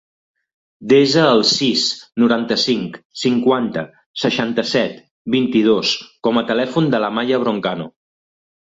Desa el sis, noranta-cinc, cinquanta, seixanta-set, vint-i-dos com a telèfon de l'Amaya Broncano.